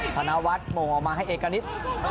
ธนวัฒน์โมงออกมาให้เอกณิต